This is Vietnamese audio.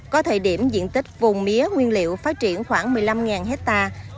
có thời điểm diện tích vùng mía nguyên liệu phát triển khoảng một mươi năm hectare